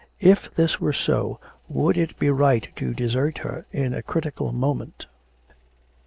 If this were so would it be right to desert her in a critical moment? IX.